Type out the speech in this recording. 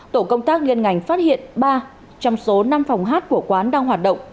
tổ công tác liên ngành phát hiện ba trong số năm phòng hát của quán đang hoạt động